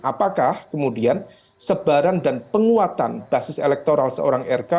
apakah kemudian sebaran dan penguatan basis elektoral seorang rk